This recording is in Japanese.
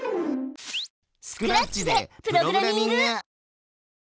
スクラッチでプログラミング！